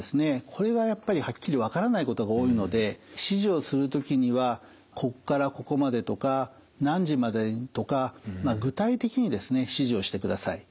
これはやっぱりはっきり分からないことが多いので指示をする時にはこっからここまでとか何時までとか具体的にですね指示をしてください。